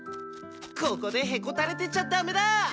ここでへこたれてちゃダメだ！